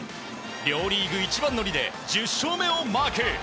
両リーグ一番乗りで１０勝目をマーク。